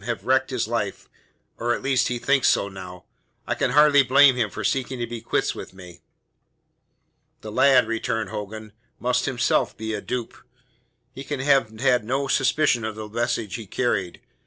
have wrecked his life or at least he thinks so now. I can hardly blame him for seeking to be quits with me." "The lad," returned Hogan, "must be himself a dupe. He can have had no suspicion of the message he carried.